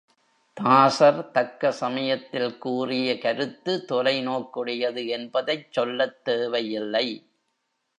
தாசர் தக்க சமயத்தில் கூறிய கருத்து தொலை நோக்குடையது என்பதைச் சொல்லத் தேவையில்லை.